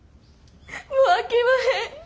もうあきまへん。